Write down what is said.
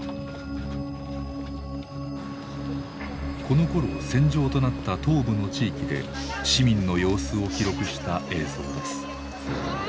このころ戦場となった東部の地域で市民の様子を記録した映像です。